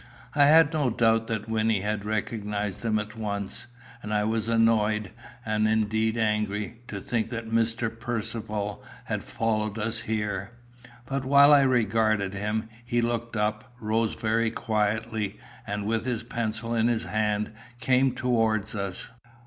I had no doubt that Wynnie had recognised him at once. And I was annoyed, and indeed angry, to think that Mr. Percivale had followed us here. But while I regarded him, he looked up, rose very quietly, and, with his pencil in his hand, came towards us.